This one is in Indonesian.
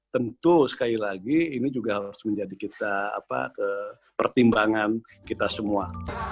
tentu sekali lagi ini juga harus menjadi kita pertimbangan kita semua